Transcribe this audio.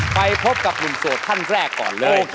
ไปพบกับหนุ่มโสดท่านแรกก่อนเลย